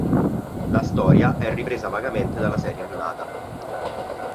La storia è ripresa vagamente dalla serie animata.